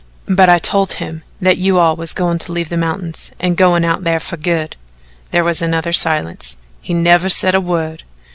But I told him that you all was goin' to leave the mountains and goin' out thar fer good." There was another silence. "He never said a word."